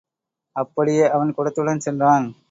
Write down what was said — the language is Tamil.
அப்படியே அவன் குடத்துடன் சென்றான்.